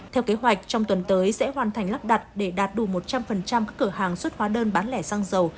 theo kế hoạch trong tuần tới sẽ hoàn thành lắp đặt để đạt đủ một trăm linh các cửa hàng xuất hóa đơn bán lẻ xăng dầu